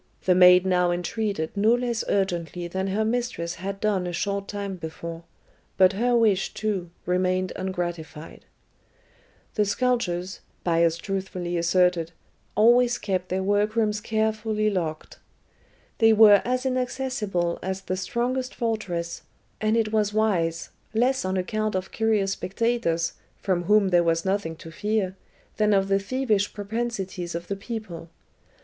the maid now entreated no less urgently than her mistress had done a short time before, but her wish, too, remained ungratified. "The sculptors," Bias truthfully asserted, "always kept their workrooms carefully locked." They were as inaccessible as the strongest fortress, and it was wise, less on account of curious spectators, from whom there was nothing to fear, than of the thievish propensities of the people.